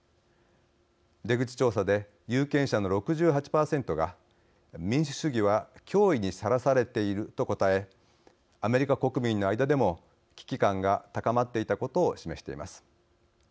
出口調査で有権者の６８％が民主主義は脅威にさらされていると答えアメリカ国民の間でも危機感が高まっていたことを示しています。